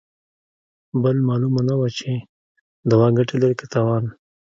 بل مالومه نه وه چې دوا ګته لري که تاوان.